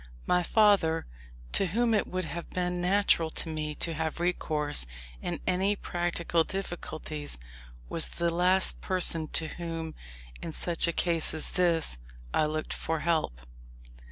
My father, to whom it would have been natural to me to have recourse in any practical difficulties, was the last person to whom, in such a case as this, I looked for help.